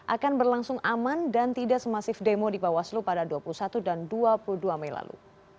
akan berlangsung aman dan tidak semasif demo di bawaslu pada dua puluh satu dan dua puluh dua mei lalu